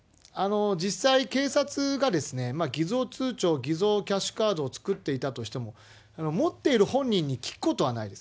実際、警察が偽造通帳、偽造キャッシュカードを作っていたとしても、持っている本人に聞くことはないです。